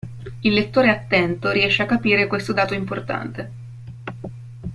Il lettore attento riesce a capire questo dato importante.